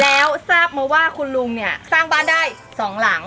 แล้วทราบมาว่าคุณลุงเนี่ยสร้างบ้านได้๒หลัง